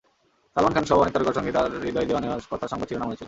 সালমান খানসহ অনেক তারকার সঙ্গে তাঁর হৃদয় দেওয়া-নেওয়ার কথা সংবাদ শিরোনাম হয়েছিল।